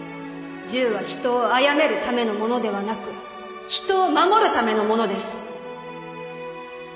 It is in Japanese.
銃は人をあやめるためのものではなく人を守るためのものです